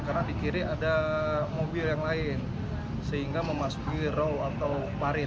karena di kiri ada mobil yang lain sehingga memasuki roll atau parit